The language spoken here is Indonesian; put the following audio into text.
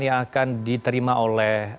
yang akan diterima oleh